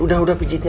udah udah pijitin